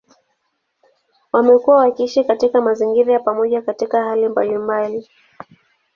Wamekuwa wakiishi katika mazingira ya pamoja katika hali mbalimbali.